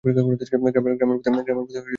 গ্রামের পথে জল দাঁড়াইয়া গেছে।